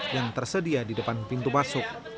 yang tersedia di depan pintu masuk